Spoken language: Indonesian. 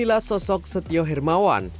inilah sosok setio hermawan